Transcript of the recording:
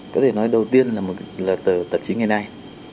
có thể nói đầu tiên là một tờ tạp chí ngày nay